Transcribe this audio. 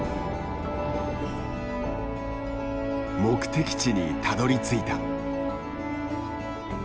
目的地にたどりついた。